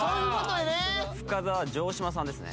深澤は城島さんですね